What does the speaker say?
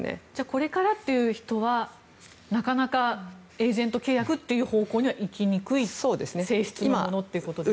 これからっていう人はなかなかエージェント契約という方向にはいきにくい性質のものということですか。